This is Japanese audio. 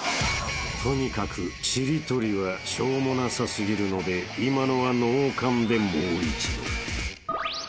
［とにかく「ちりとり」はしょうもなさ過ぎるので今のはノーカンでもう一度］